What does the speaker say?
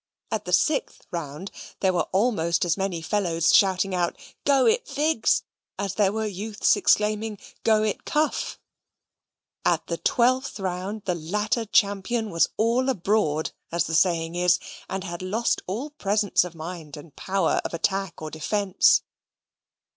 At the sixth round, there were almost as many fellows shouting out, "Go it, Figs," as there were youths exclaiming, "Go it, Cuff." At the twelfth round the latter champion was all abroad, as the saying is, and had lost all presence of mind and power of attack or defence.